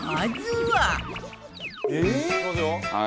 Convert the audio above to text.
はい。